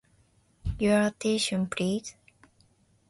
Your attention, please.